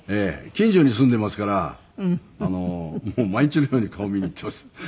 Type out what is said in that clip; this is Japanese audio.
近所に住んでますからもう毎日のように顔を見に行ってます。